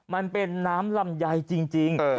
มันเป็นน้ำลำไยจริง